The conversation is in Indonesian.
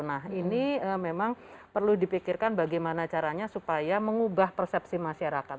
nah ini memang perlu dipikirkan bagaimana caranya supaya mengubah persepsi masyarakat